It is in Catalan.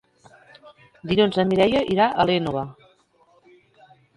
Dilluns na Mireia irà a l'Énova.